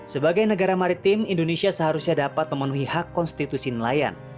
sebagai negara maritim indonesia seharusnya dapat memenuhi hak konstitusi nelayan